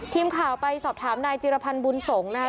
ทีมข่าวไปสอบถามนายจิรพรรณบุญสงศ์นะครับ